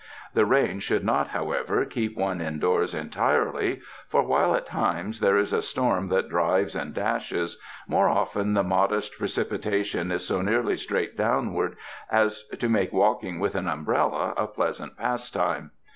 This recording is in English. The rain should not, however, keep one indoors entirely, for while at times there is a storm that drives and dashes, more often the modest pre cipitation is so nearly straight downward as to make walking with an umbrella a pleasant pastime.